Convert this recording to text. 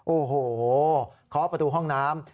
โอ้โหเคาะประตูห้องน้ำ